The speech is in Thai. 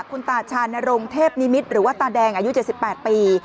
คุณตาชานรงเทพนิมิตรหรือว่าตาแดงอายุ๗๘ปี